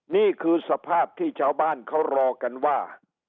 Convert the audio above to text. นี่คือสภาพที่ชาวบ้านเขารอกันว่า